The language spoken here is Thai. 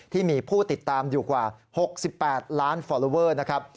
ที่มีผู้ติดตามอยู่กว่า๖๘ล้านฟอลลอเวอร์นะครับ